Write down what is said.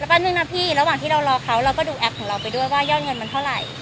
แป๊บนึงนะพี่ระหว่างที่เรารอเขาเราก็ดูแอปของเราไปด้วยว่ายอดเงินมันเท่าไหร่